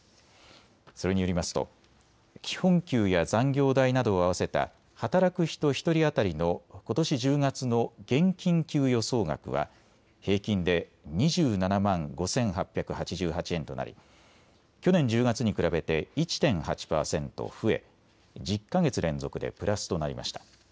それによりますと基本給や残業代などを合わせた働く人１人当たりのことし１０月の現金給与総額は平均で２７万５８８８円となり去年１０月に比べて１．８％増え１０か月連続でプラスとなりました。